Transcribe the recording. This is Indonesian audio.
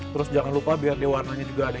terus jangan lupa biar dia warnanya juga ada